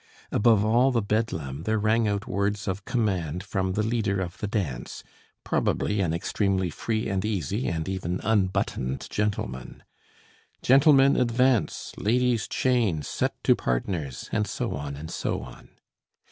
Above all the Bedlam there rang out words of command from the leader of the dance, probably an extremely free and easy, and even unbuttoned gentleman: "Gentlemen advance, ladies' chain, set to partners!" and so on, and so on.